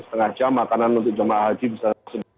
setengah jam makanan untuk jamaah haji bisa secari